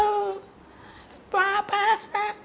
untuk bersiap masuk bersiap bersama teman teman